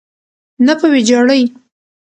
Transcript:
نه په ویجاړۍ.